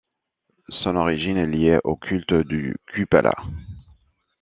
Son origine est liée au culte de Kupala.